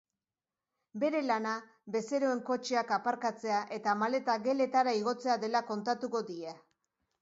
Bere lana bezeroen kotxeak aparkatzea eta maletak geletara igotzea dela kontatuko die.